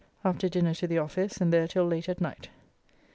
After dinner to the office, and there till late at night.